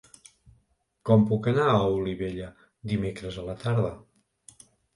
Com puc anar a Olivella dimecres a la tarda?